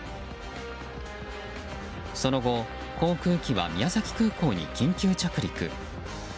その後、航空機は宮崎空港に緊急着陸。